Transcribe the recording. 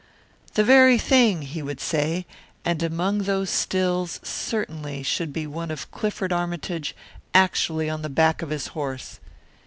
"The very thing," he would say. And among those stills, certainly, should be one of Clifford Armytage actually on the back of his horse.